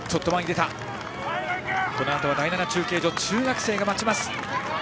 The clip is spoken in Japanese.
このあとは第７中継所で中学生が待ちます。